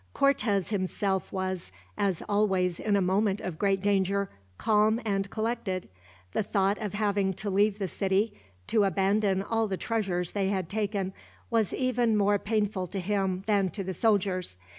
Cortez himself was, as always in a moment of great danger, calm and collected. The thought of having to leave the city, to abandon all the treasures they had taken, was even more painful to him than to the soldiers.